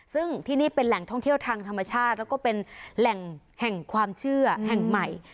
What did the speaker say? ซึ่งที่นี่เป็นแหล่งท่องเที่ยวทางธรรมชาติแล้วก็เป็นแหล่งแห่งความเชื่อแห่งใหม่